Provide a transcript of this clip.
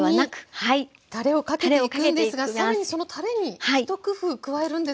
ここにたれをかけていくんですが更にそのたれに一工夫加えるんですよね。